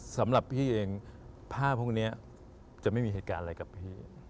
สำหรับพี่เองภาพพวกนี้จะไม่มีเหตุการณ์อะไรกับพี่